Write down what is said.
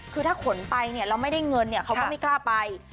คือถ้าขนไปเนี่ยเราไม่ได้เงินเขาก็ไม่กล้าไป